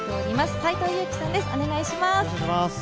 斎藤佑樹さんです、お願いします。